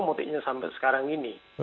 maksudnya sampai sekarang ini